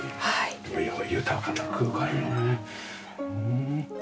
豊かな空間よね。